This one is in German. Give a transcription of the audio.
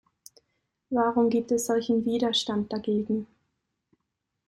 Warum gibt es solchen Widerstand dagegen?